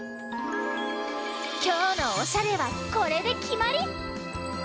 きょうのおしゃれはこれできまり！